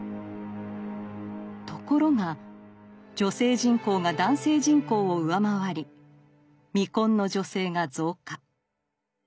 ところが女性人口が男性人口を上回り未婚の女性が増加。